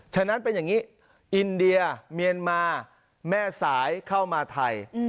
ฉะนั้นเป็นอย่างนี้อินเดียเมียนมาแม่สายเข้ามาไทย